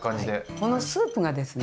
このスープがですね。